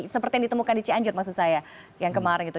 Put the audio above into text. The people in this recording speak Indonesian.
seperti yang ditemukan di cianjur maksud saya yang kemarin itu